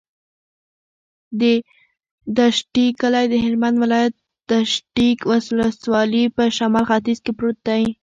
د دشټي کلی د هلمند ولایت، دشټي ولسوالي په شمال ختیځ کې پروت دی.